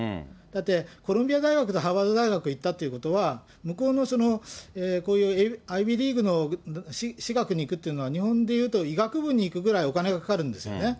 だって、コロンビア大学とハーバード大学行ったということは、向こうのこういうアイビーリーグのしがくに行くというのは、日本で言うと医学部に行くぐらい、お金がかかるんですよね。